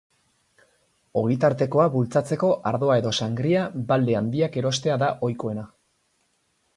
Ogitartekoa bultzatzeko ardoa edo sangria balde handiak erostea da ohikoena.